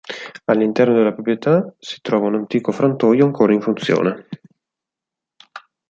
All'interno della proprietà si trova un antico frantoio ancora in funzione.